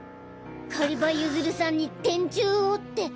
狩場ユズルさんに天誅をって。